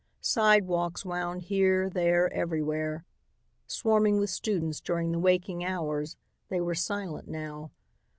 Sidewalks wound here, there, everywhere. Swarming with students during the waking hours, they were silent now.